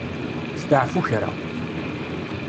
Steɛfu kra.